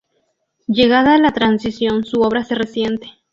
Llegada la Transición, su obra se resiente.